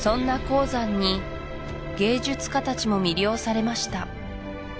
黄山に芸術家たちも魅了されました